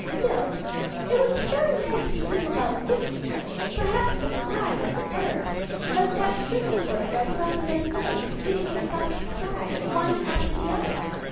Still it would be very nice to move about quickly perhaps to fly, like a bird, like that string of birds I saw the other day skimming across the sky, one after the other."